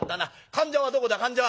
患者はどこだ患者は」。